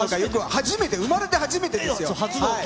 初めて、生まれて初めてですよ。